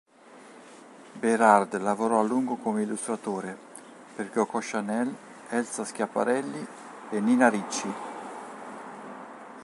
Bérard lavorò a lungo, come illustratore, per Coco Chanel, Elsa Schiaparelli, e Nina Ricci.